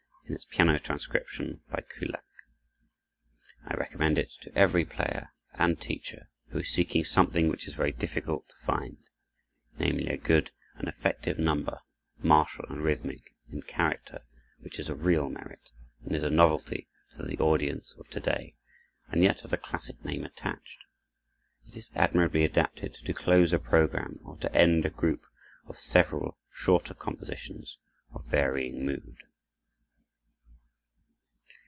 In its piano transcription, by Kullak, I recommend it to every player and teacher who is seeking something which is very difficult to find—namely: a good and effective number, martial and rhythmic in character, which is of real merit, and is a novelty to the audience of to day, and yet has a classic name attached. It is admirably adapted to close a program or to end a group of several shorter compositions of varying mood.